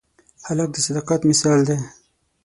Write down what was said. هلک د صداقت مثال دی.